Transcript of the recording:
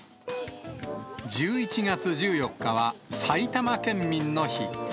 １１月１４日は埼玉県民の日。